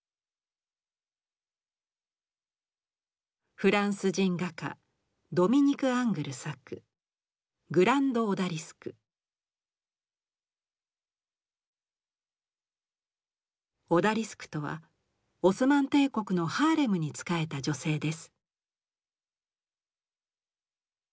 フランス人画家ドミニク・アングル作「オダリスク」とはオスマン帝国のハーレムに仕えた女性です。